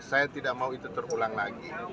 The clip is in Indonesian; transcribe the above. saya tidak mau itu terulang lagi